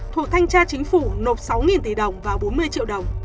thuộc thanh tra chính phủ nộp sáu tỷ đồng và bốn mươi triệu đồng